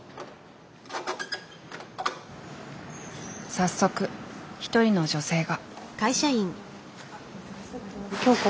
早速一人の女性が。